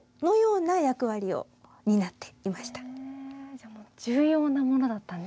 じゃあ重要なものだったんですね。